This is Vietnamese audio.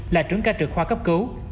là trưởng ca trực khoa cấp cứu